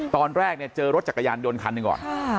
ตอนแรกเนี่ยเจอรถจักรยานยนถ์คันครับ๑ต่อ